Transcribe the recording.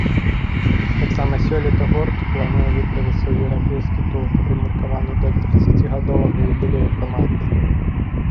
Таксама сёлета гурт плануе выправіцца ў еўрапейскі тур, прымеркаваны да трыццацігадовага юбілею каманды.